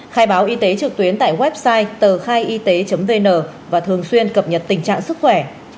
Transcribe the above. khai báo y tế trực tuyến tại website tờkhaiyt vn và thường xuyên cập nhật tình trạng sức khỏe